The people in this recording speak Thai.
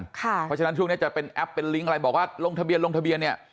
เพราะฉะนั้นช่วงนี้จะเป็นแอปเป็นลิงก์อะไรบอกว่าลงทะเบียนลงทะเบียนเนี่ย